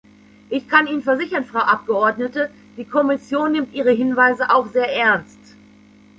Ich kann Ihnen versichern, Frau Abgeordnete, die Kommission nimmt Ihre Hinweise auch sehr ernst.